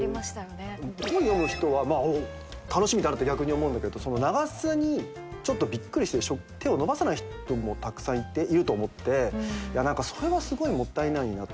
本読む人は楽しみだなって逆に思うんだけれど長さにちょっとびっくりして手を伸ばさない人もたくさんいると思っていや何かそれはすごいもったいないなと。